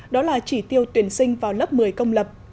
đó là chỉ tiêu tuyển sinh vào lớp một mươi công lập